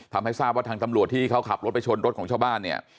ทำให้ทราบว่าทางตำรวจที่เขาขับรถไปชนรถของชาวบ้านเนี่ย